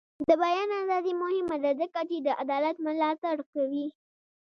د بیان ازادي مهمه ده ځکه چې د عدالت ملاتړ کوي.